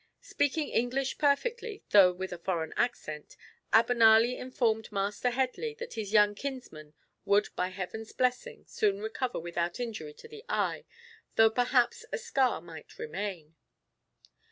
Speaking English perfectly, though with a foreign accent, Abenali informed Master Headley that his young kinsman would by Heaven's blessing soon recover without injury to the eye, though perhaps a scar might remain.